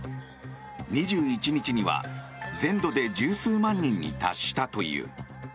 ２１日には全土で１０数万人に達したという。